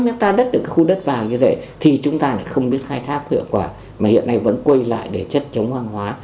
nếu chúng ta đất được cái khu đất vàng như vậy thì chúng ta lại không biết khai thác hiệu quả mà hiện nay vẫn quay lại để chất chống hoang hóa